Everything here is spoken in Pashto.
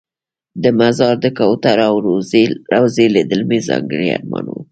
د مزار د کوترو او روضې لیدل مې ځانګړی ارمان و.